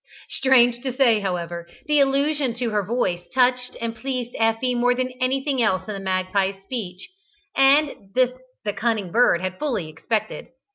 Strange to say, however, the allusion to her voice touched and pleased Effie more than anything else in the magpie's speech, and this the cunning bird had fully expected.